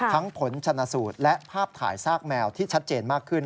ผลชนะสูตรและภาพถ่ายซากแมวที่ชัดเจนมากขึ้น